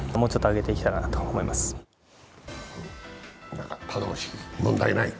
何か頼もしい、問題ないと。